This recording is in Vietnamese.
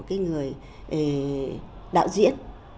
cái người đạo diễn